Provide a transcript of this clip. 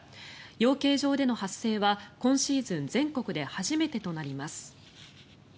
養鶏場での発生は今シーズン全国で初めてとなります。